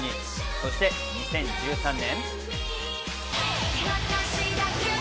そして２０１３年。